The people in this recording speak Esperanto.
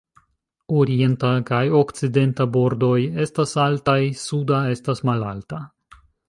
Orienta kaj okcidenta bordoj estas altaj, suda estas malalta.